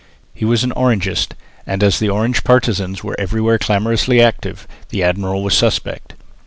He was an Orangist; and, as the Orange partisans were everywhere clamorously active, the admiral was suspect.